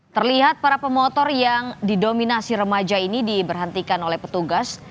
terlihat para pemotor yang didominasi remaja ini diberhentikan oleh petugas